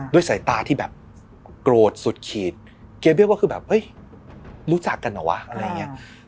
ด้วยสายตาที่แบบโกรธสุดขีดเกียร์เบี้ยก็คือแบบเฮ้ยรู้จักกันเหรอวะอะไรอย่างนี้